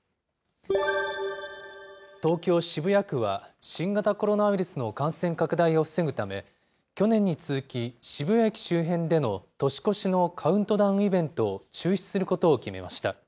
東京・渋谷区は、新型コロナウイルスの感染拡大を防ぐため、去年に続き、渋谷駅周辺での年越しのカウントダウンイベントを中止することを決めました。